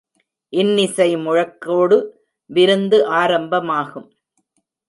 இன்னிசை முழக்கோடு விருந்து ஆரம்பமாகும்.